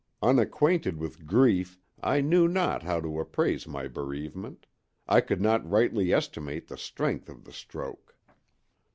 Unacquainted with grief, I knew not how to appraise my bereavement; I could not rightly estimate the strength of the stroke.